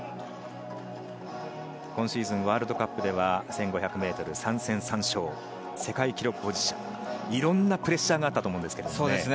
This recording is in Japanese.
今シーズンワールドカップでは１５００ｍ３戦３勝、世界記録保持者、いろんなプレッシャーがあったと思います。